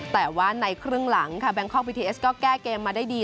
แต่ว่าในครึ่งหลังค่ะแบงคอกบีทีเอสก็แก้เกมมาได้ดี